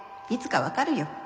いつか分かるよ。